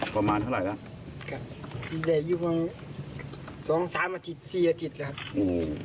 ประมาณเท่าไรครับครับอยู่วันสองสามอาทิตย์สี่อาทิตย์ครับ